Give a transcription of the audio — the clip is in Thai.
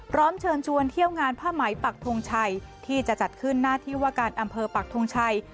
เชิญชวนเที่ยวงานผ้าไหมปักทงชัยที่จะจัดขึ้นหน้าที่ว่าการอำเภอปักทงชัย